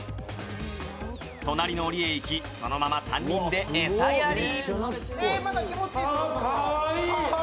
隣のおりへ行き、そのまま３人で餌やり。